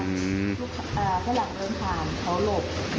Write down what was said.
พรุ่งข้างให้หลังเดินผ่านเขาหลบ